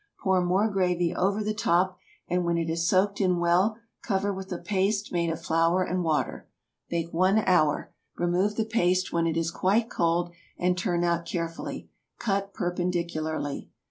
Pour more gravy over the top, and when it has soaked in well, cover with a paste made of flour and water. Bake one hour. Remove the paste when it is quite cold, and turn out carefully. Cut perpendicularly.